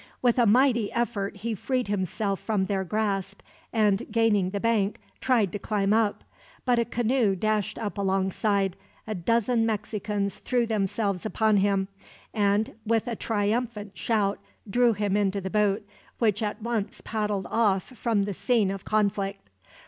With a mighty effort, he freed himself from their grasp and, gaining the bank, tried to climb up; but a canoe dashed up alongside, a dozen Mexicans threw themselves upon him, and with a triumphant shout drew him into the boat, which at once paddled off from the scene of conflict.